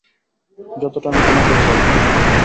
যতটা আমি তোমাকে চাই।